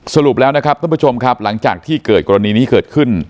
สรุปแล้วนะครับท่านผู้ชมครับหลังจากที่เกิดกรณีนี้เกิดขึ้น